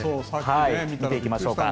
見ていきましょうか。